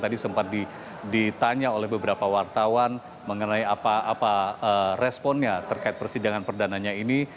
tadi sempat ditanya oleh beberapa wartawan mengenai apa responnya terkait persidangan perdananya ini